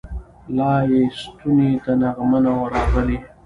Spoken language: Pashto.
لا یې ستوني ته نغمه نه وه راغلې